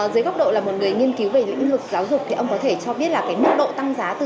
dưới góc độ là một người nghiên cứu về lĩnh vực giáo dục thì ông có thể cho biết là cái mức độ tăng giá từ gấp hai đến ba